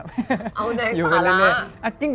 ตอนแรกยาวกว่านี้แล้วเพิ่งตัดได้๒อาทิตย์มั้งค่ะ